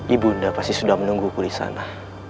ibu unda pasti sudah menunggu ku disana